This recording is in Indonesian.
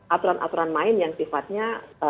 aturan aturan main yang sifatnya